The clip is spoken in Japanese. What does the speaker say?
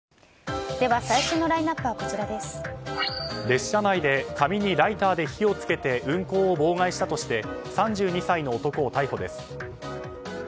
列車内で紙にライターで火をつけて運行を妨害したとして３２歳の男を逮捕です。